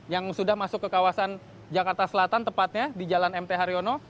yang sudah masuk ke kawasan jakarta selatan tepatnya di jalan mt haryono